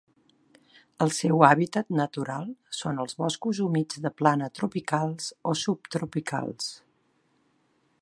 El seu hàbitat natural són els boscos humits de plana tropicals o subtropicals.